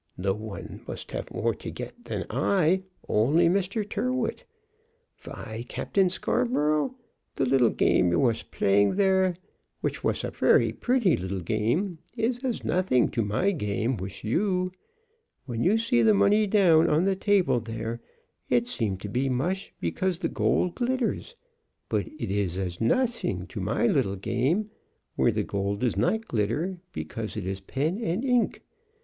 No one have more to get than I, only Mishter Tyrrwhit. Vy, Captain Scarborough, the little game you wash playing there, which wash a very pretty little game, is as nothing to my game wish you. When you see the money down, on the table there, it seems to be mush because the gold glitters, but it is as noting to my little game, where the gold does not glitter, because it is pen and ink.